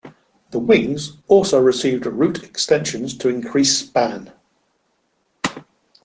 The wings also received root extensions to increase span.